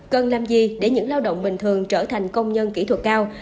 cần làm gì để những lao động bình thường trở thành công nhân kỹ thuật cao